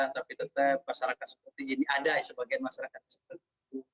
tapi tetap masyarakat seperti ini ada sebagian masyarakat seperti itu